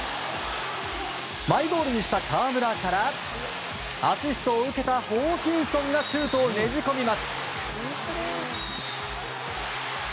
マイボールにした河村からアシストを受けたホーキンソンがシュートをねじ込みます。